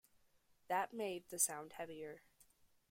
That made the sound heavier.